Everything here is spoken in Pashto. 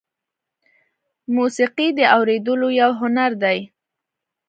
موسیقي د اورېدلو یو هنر دی.